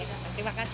terima kasih nsis